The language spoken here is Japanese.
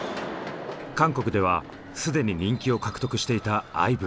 韓国では既に人気を獲得していたＩＶＥ。